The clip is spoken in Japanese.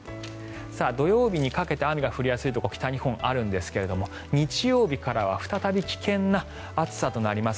土曜日にかけて雨が降りやすいところ北日本、あるんですが日曜日からはまた危険な暑さとなります。